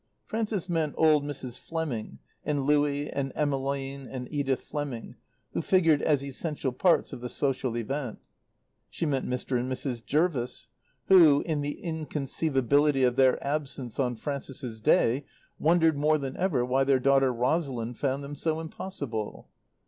Frances meant old Mrs. Fleming, and Louie and Emmeline and Edith Fleming, who figured as essential parts of the social event. She meant Mr. and Mrs. Jervis, who, in the inconceivability of their absence on Frances's Bay, wondered more than ever why their daughter Rosalind found them so impossible.